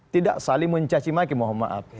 tidak saling mencacimaki mohon maaf